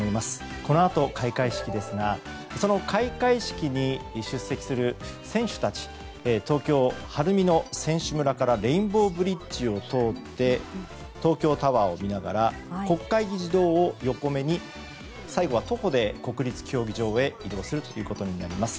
このあと開会式ですがその開会式に出席する選手たち東京・晴海の選手村からレインボーブリッジを通って東京タワーを見ながら国会議事堂を横目に最後は徒歩で国立競技場へ移動するということになります。